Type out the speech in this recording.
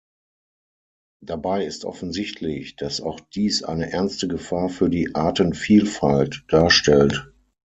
Dabei ist offensichtlich, dass auch dies eine ernste Gefahr für die Artenvielfalt darstellt.